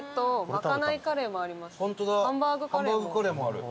ハンバーグカレーもある。